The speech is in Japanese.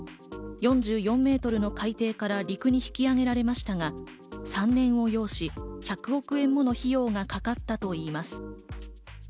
４４メートルの海底から陸に引き揚げられましたが、３年を要し、１００億円もの費用がかかったといいます。